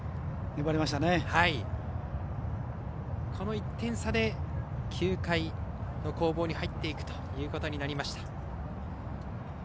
１点差で９回の攻防に入っていくということになりました。